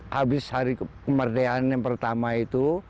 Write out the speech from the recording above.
habis hari kemerdekaan yang pertama itu